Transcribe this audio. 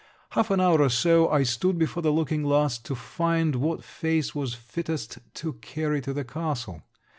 Half an hour or so, I stood before the looking glass, to find what face was fittest to carry to the castle.